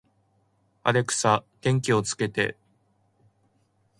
アレクサ、電気をつけて